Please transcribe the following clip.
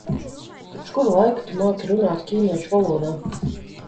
Kopš kura laika tu māki runāt ķīniešu valodā?